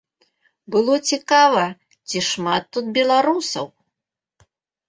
Было цікава, ці шмат тут беларусаў.